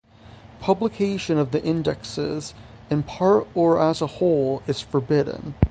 Publication of the indexes, in part or as a whole, is forbidden.